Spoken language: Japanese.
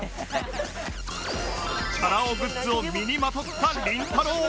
チャラ男グッズを身にまとったりんたろー。